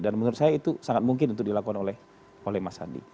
dan menurut saya itu sangat mungkin untuk dilakukan oleh mas sandi